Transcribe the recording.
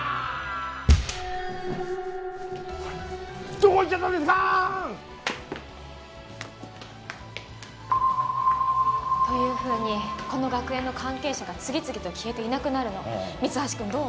どこ行っちゃったんですか？というふうに、この学園の関係者が次々と消えていなくなるの。